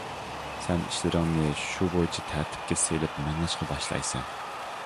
سەن ئىشلىرىڭنى شۇ بويىچە تەرتىپكە سېلىپ مېڭىشقا باشلايسەن.